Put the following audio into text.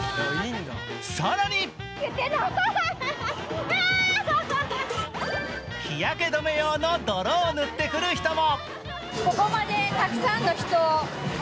更に日焼け止め用の泥を塗ってくる人も。